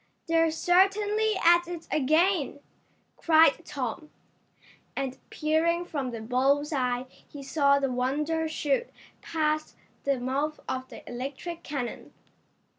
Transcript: "They're certainly at it again!" cried Tom, and peering from the bull's eye he saw the Wonder shoot past the mouth of the electric cannon.